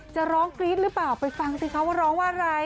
จะร้องกรี๊ดหรือเปล่าไปฟังสิคะว่าร้องว่าอะไร